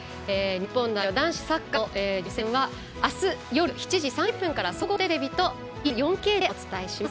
日本代表男子サッカーの予選はあす夜７時３０分から総合テレビとＢＳ４Ｋでお伝えします。